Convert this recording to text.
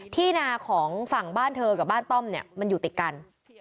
นาของฝั่งบ้านเธอกับบ้านต้อมเนี่ยมันอยู่ติดกัน